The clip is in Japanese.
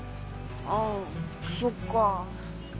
あぁそっか。